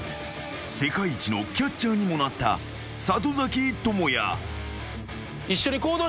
［世界一のキャッチャーにもなった里崎智也］